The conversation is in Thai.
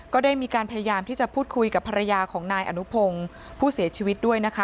ก็ได้มีการพยายามที่จะพูดคุยกับภรรยาของนายอนุพงศ์ผู้เสียชีวิตด้วยนะคะ